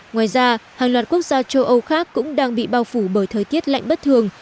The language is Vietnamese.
ngoài ra hàng loạt quốc gia châu âu khác cũng đang bị bao phủ bởi thời tiết lạnh bất thường